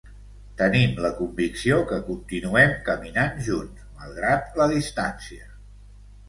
Tenim la convicció que continuem caminant junts, malgrat la distància.